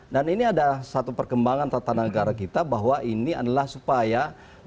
dan ini ada satu perkembangan tata negara kita bahwa ini adalah supaya demokrasi